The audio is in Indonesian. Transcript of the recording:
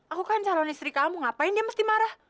aku kan calon istri kamu ngapain dia mesti marah